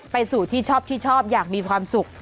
ไปสู่ที่ชอบที่ชอบอยากมีความสุข